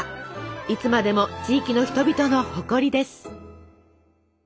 いつまでも地域の人々の誇りです。